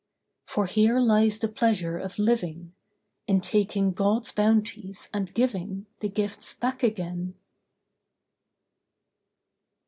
For here lies the pleasure of living: In taking God's bounties, and giving The gifts back again.